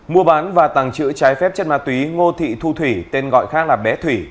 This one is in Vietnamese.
mua bán và tàng trữ trái phép chất ma túy ngô thị thu thủy tên gọi khác là bé thủy